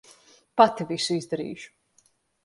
Pati visu izdarīšu.